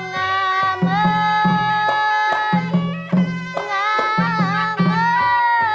กลับไปก่อนที่สุดท้าย